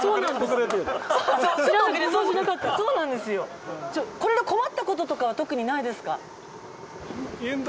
これで困った事とかは特にないですか？